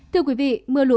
thưa quý vị mưa lũ